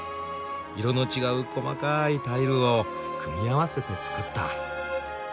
色の違う細かいタイルを組み合わせて作った。